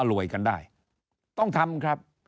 รวยกันได้ต้องทำครับ